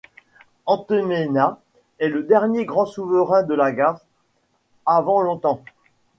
Entemena est le dernier grand souverain de Lagash avant longtemps.